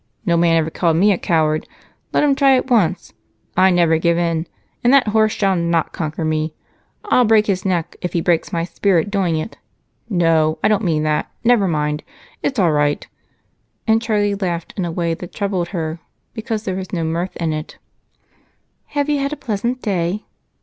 No man ever called me a coward let him try it once. I never give in and that horse shall not conquer me. I'll break his neck, if he breaks my spirit doing it. No I don't mean that never mind it's all right," and Charlie laughed in a way that troubled her, because there was no mirth in it. "Have you had a pleasant day?"